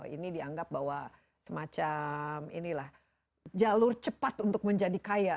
ini dianggap bahwa semacam inilah jalur cepat untuk menjadi kaya